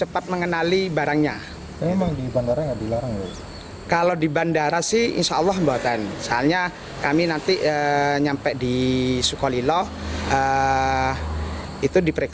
jemaah haji asal lumajang jawa timur memberi tanda unik pada koper mereka saat tiba di tanah suci